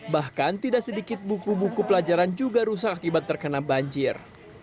bahkan tidak sedikit buku buku pelajaran juga rusak akibat terkena banjir